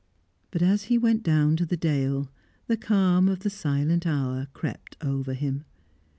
But as he went down to the dale, the calm of the silent hour crept over him.